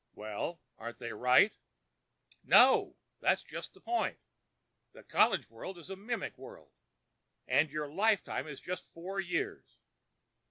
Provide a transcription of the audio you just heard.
'" "Well, aren't they right?" "No. That's just the point. The college world is a mimic world—and your lifetime is just four years.